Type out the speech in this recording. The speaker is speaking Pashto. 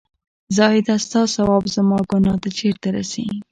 زاهـده سـتـا ثـواب زمـا ګـنـاه تـه چېرته رسـي